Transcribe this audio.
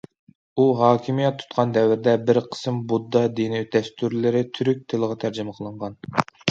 ئۇ ھاكىمىيەت تۇتقان دەۋردە، بىر قىسىم بۇددا دىنى دەستۇرلىرى تۈرك تىلىغا تەرجىمە قىلىنغان.